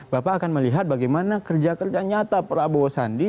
bapak akan melihat bagaimana kerja kerja nyata prabowo sandi